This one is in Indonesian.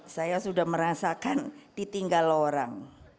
saya sudah merasakan ditinggal orang